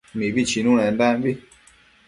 Mibi chinunendambi